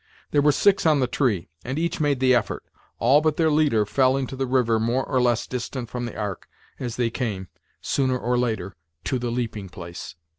There were six on the tree, and each made the effort. All but their leader fell into the river more or less distant from the ark, as they came, sooner or later, to the leaping place.